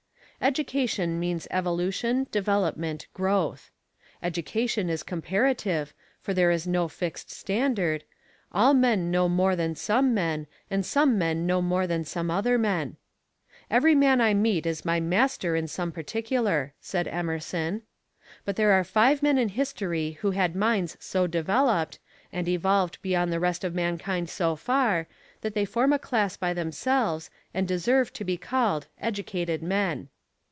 Education means evolution, development, growth. Education is comparative, for there is no fixed standard all men know more than some men, and some men know more than some other men. "Every man I meet is my master in some particular," said Emerson. But there are five men in history who had minds so developed, and evolved beyond the rest of mankind so far, that they form a class by themselves, and deserve to be called Educated Men.